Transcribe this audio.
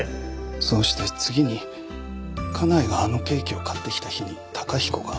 そうして次に家内があのケーキを買ってきた日に崇彦が。